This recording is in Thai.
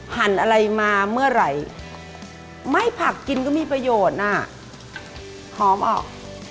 หั่นอะไรมาเมื่อไหร่ไม่ผักกินก็มีประโยชน์น่ะหอมออก